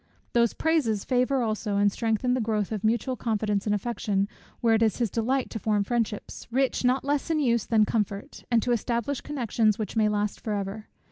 Those praises favour also and strengthen the growth of mutual confidence and affection, where it is his delight to form friendships, rich not less in use than comfort, and to establish connections which may last for ever.